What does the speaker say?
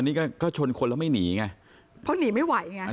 นี่ก็ก็ชนคนแล้วไม่หนีไงเพราะหนีไม่ไหวไง